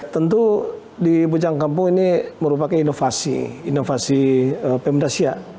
tentu di bujang kampung ini merupakan inovasi inovasi pemda siak